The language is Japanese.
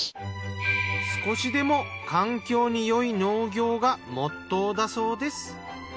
少しでも環境に良い農業がモットーだそうです。